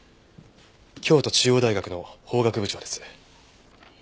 京都中央大学の法学部長です。